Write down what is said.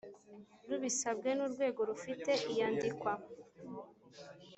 rubisabwe n urwego rufite iyandikwa